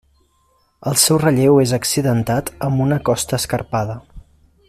El seu relleu és accidentat, amb una costa escarpada.